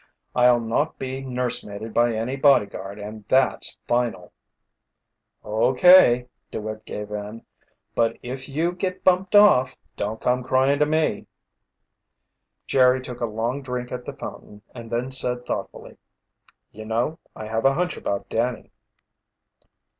"I'll not be nursemaided by any bodyguard, and that's final!" "Okay," DeWitt gave in, "but if you get bumped off, don't come crying to me!" Jerry took a long drink at the fountain and then said thoughtfully: "You know, I have a hunch about Danny."